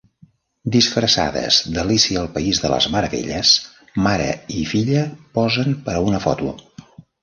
Disfressades d'Alícia al país de les meravelles, mare i filla posen per a una foto.